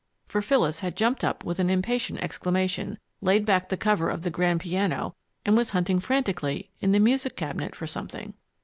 For Phyllis had jumped up with an impatient exclamation, laid back the cover of the grand piano, and was hunting frantically in the music cabinet for something.